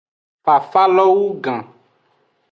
Fafalo wugan.